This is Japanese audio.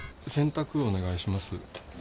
洗濯お願いします。